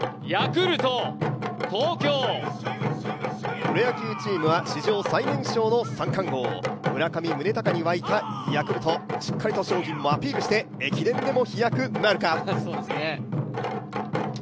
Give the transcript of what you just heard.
プロ野球チームは、史上最年少の三冠王・村上宗隆に沸いたヤクルトしっかりと商品をアピールして、駅伝でも飛躍なるか。